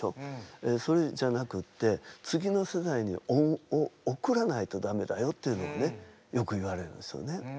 それじゃなくって次の世代におんをおくらないとダメだよっていうのをねよく言われるんですよね。